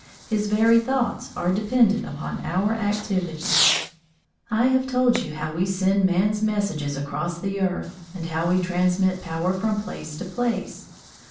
His very thoughts are dependent upon our activities. I have told you how we send man's messages across the earth, and how we transmit power from place to place.